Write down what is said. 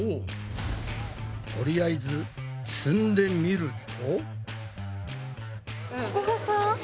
とりあえず積んでみると。